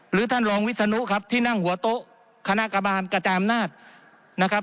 ท่านรองวิศนุครับที่นั่งหัวโต๊ะคณะกระบานกระจายอำนาจนะครับ